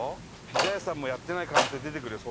ピザ屋さんもやってない可能性出てくるよ